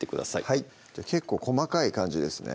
はい結構細かい感じですね